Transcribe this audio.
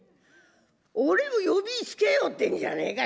俺を呼びつけようってんじゃねえか。